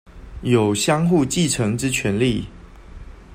有相互繼承之權利